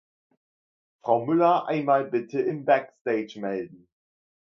Frau Müller, einmal bitte im Backstage melden.